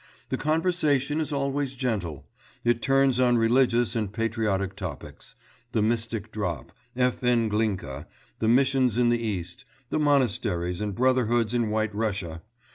The conversation is always gentle; it turns on religious and patriotic topics, the Mystic Drop, F. N. Glinka, the missions in the East, the monasteries and brotherhoods in White Russia.